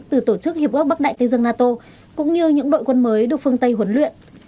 từ tổ chức hiệp ước bắc đại tây dương nato cũng như những đội quân mới được phương tây huấn luyện